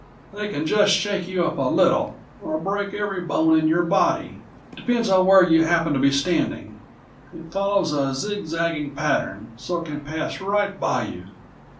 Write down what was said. They can just shake you up a little, or break every bone in your body. Depends on where you happen to be standing. It follows a zigzagging pattern, so it can pass right by you."